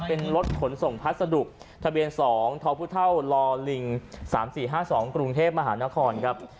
เป็นรถขนส่งพัสดุทะเบียน๒ทพลลิง๓๔๕๒กรุงเทพมหานครครับ